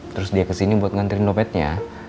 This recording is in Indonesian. terus dia kesini buat ngantri dompetnya